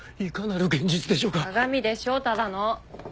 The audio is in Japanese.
鏡でしょただの。